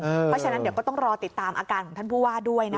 เพราะฉะนั้นเดี๋ยวก็ต้องรอติดตามอาการของท่านผู้ว่าด้วยนะคะ